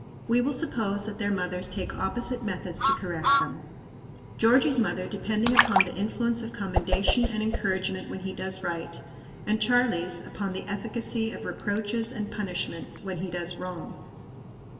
We will suppose that their mothers take opposite methods to correct them; Georgie's mother depending upon the influence of commendation and encouragement when he does right, and Charlie's, upon the efficacy of reproaches and punishments when he does wrong.